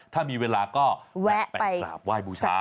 ถ้ามีเวลาก็แวะไปกราบไหว้บูชา